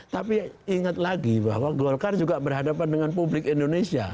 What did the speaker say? tapi ingat lagi bahwa golkar juga berhadapan dengan publik indonesia